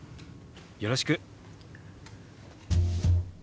よろしく。